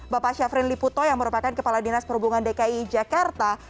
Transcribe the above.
bapak syafrin liputo yang merupakan kepala dinas perhubungan dki jakarta